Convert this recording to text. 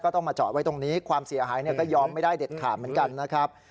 ต้องมาจอดไว้ตรงนี้ความเสียหายก็ยอมไม่ได้เด็ดขาดเหมือนกันนะครับ